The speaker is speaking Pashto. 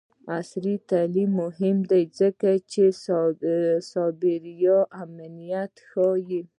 عصري تعلیم مهم دی ځکه چې سایبر امنیت ښيي.